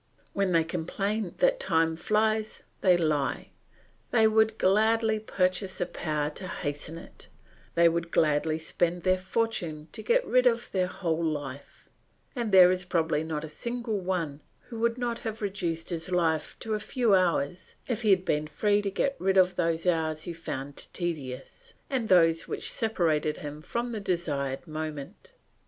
When they complain that time flies, they lie; they would gladly purchase the power to hasten it; they would gladly spend their fortune to get rid of their whole life; and there is probably not a single one who would not have reduced his life to a few hours if he had been free to get rid of those hours he found tedious, and those which separated him from the desired moment.